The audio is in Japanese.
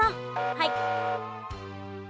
はい。